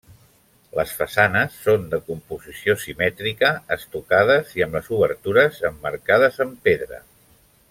Les façanes són de composició simètrica, estucades i amb les obertures emmarcades amb pedra.